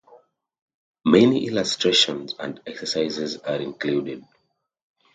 Many illustrations and exercises are included.